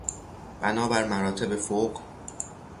بنابر مراتب فوق...